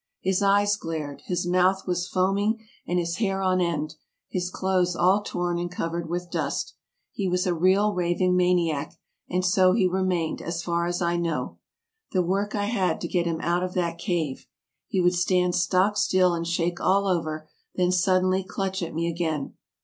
His eyes glared, his mouth was foaming, and his hair on end, his clothes all torn and covered with dust. He was a real, raving maniac, and so he remained, as far as I know. The work I had to get him out of that cave ! He would stand stock still and shake all over, then suddenly clutch at me again.